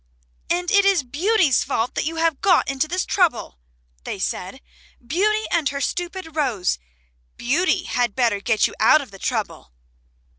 "And it is Beauty's fault that you have got into this trouble," they said. "Beauty and her stupid rose. Beauty had better get you out of the trouble."